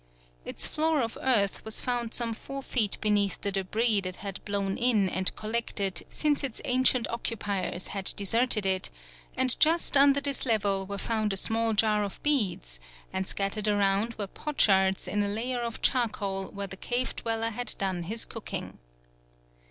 Its floor of earth was found some four feet beneath the débris that had blown in and collected since its ancient occupiers had deserted it; and just under this level was found a small jar of beads and scattered around were potsherds in a layer of charcoal where the cave dweller had done his cooking.